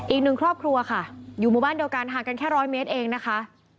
อีกหนึ่งครอบครัวค่ะอยู่หมู่บ้านเดียวกันห่างกันแค่ร้อยเมตรเองนะคะ